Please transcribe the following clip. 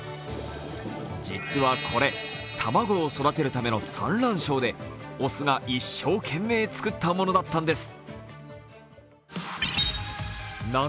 実はこれ、卵を育てるための産卵床で雄が一生懸命作ったものだったんです。